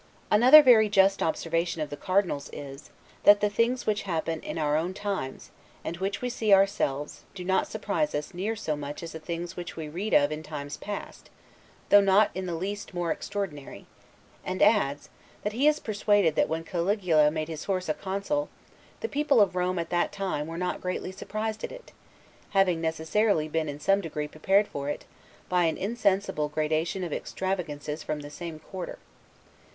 Another very just observation of the Cardinal's is, That, the things which happen in our own times, and which we see ourselves, do not surprise us near so much as the things which we read of in times past, though not in the least more extraordinary; and adds, that he is persuaded that when Caligula made his horse a Consul, the people of Rome, at that time, were not greatly surprised at it, having necessarily been in some degree prepared for it, by an insensible gradation of extravagances from the same quarter.